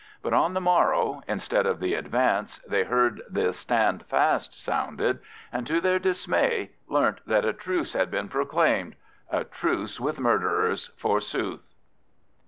But on the morrow, instead of the Advance, they heard the Stand Fast sounded, and to their dismay learnt that a truce had been proclaimed—a truce with murderers, forsooth!